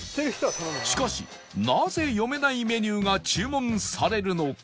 しかしなぜ読めないメニューが注文されるのか？